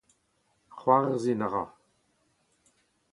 C’hoarzhin a ra.